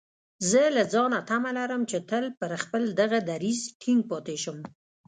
زه له ځانه تمه لرم چې تل پر خپل دغه دريځ ټينګ پاتې شم.